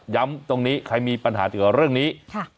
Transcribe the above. ตรงนี้ใครมีปัญหาเกี่ยวกับเรื่องนี้